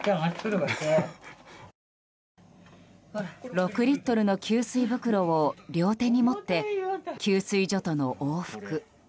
６リットルの給水袋を両手に持って給水所との往復。